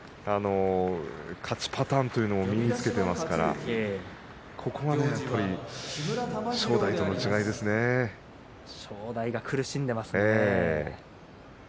勝ちパターンというのを身につけていますから正代が苦しんでいますね。